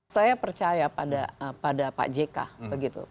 saya percaya pada pak jk begitu